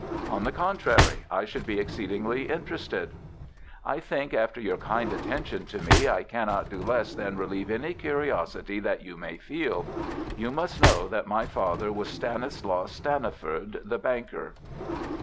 "On the contrary, I should be exceedingly interested." "I think, after your kind attention to me, I cannot do less than relieve any curiosity that you may feel. You must know that my father was Stanislaus Stanniford, the banker."